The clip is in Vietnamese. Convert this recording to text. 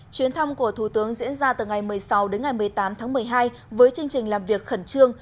chuyến thăm của thủ tướng diễn ra từ ngày một mươi sáu đến ngày một mươi tám tháng một mươi hai với chương trình làm việc khẩn trương